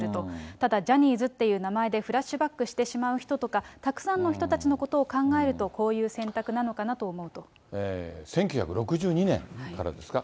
ただ、ジャニーズっていう名前でフラッシュバックしてしまう人とか、たくさんの人たちのことを考えると、１９６２年からですか。